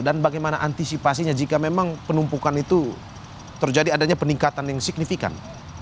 dan bagaimana antisipasinya jika memang penumpukan itu terjadi adanya peningkatan yang signifikan